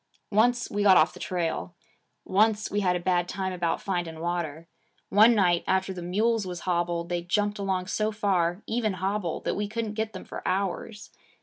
Once we got off the trail. Once we had a bad time about finding water. One night, after the mules was hobbled they jumped along so far, even hobbled, that we couldn't get them for hours.